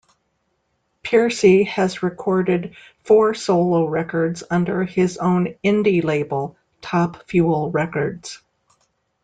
Pearcy has recorded four solo records under his own indie label Top Fuel Records.